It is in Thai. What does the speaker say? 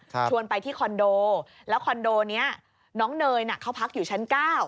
ชวนไปที่คอนโดแล้วคอนโดเนี้ยน้องเนยน่ะเขาพักอยู่ชั้นเก้า